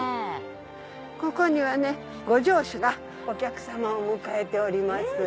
ここにはご城主がお客さまを迎えております。